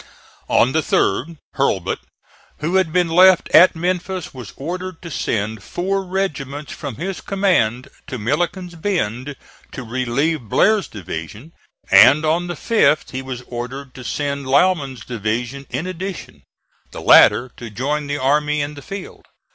On the 3d Hurlbut, who had been left at Memphis, was ordered to send four regiments from his command to Milliken's Bend to relieve Blair's division, and on the 5th he was ordered to send Lauman's division in addition, the latter to join the army in the field.